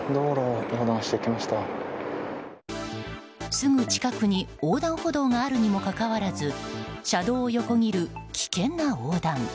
すぐ近くに横断歩道があるにもかかわらず車道を横切る危険な横断。